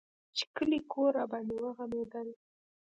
چې کلى کور راباندې وغمېدل.